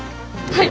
はい。